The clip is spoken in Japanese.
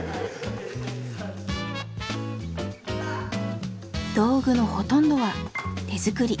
道具のほとんどは手作り。